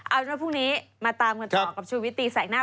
เอาล่ะพรุ่งนี้มาตามคุณต่อกับชุวิตตีสากหน้า